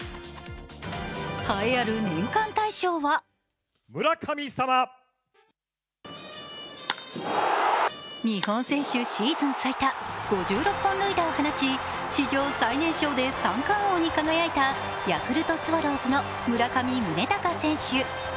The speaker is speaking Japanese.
栄えある年間大賞は日本選手シーズン最多５６本塁打を放ち、史上最年少で三冠王に輝いたヤクルトスワローズの村上宗隆選手。